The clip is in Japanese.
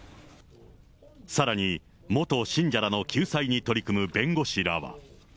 さらに、元信者らの救済に取り組む弁護士らは。